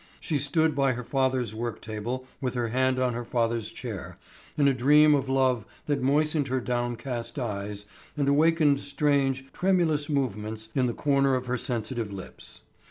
She stood by her father's work table with her hand on her father's chair, in a dream of love that moistened her down cast eyes and awakened strange, tremulous movements in the corners of her sensitive lips.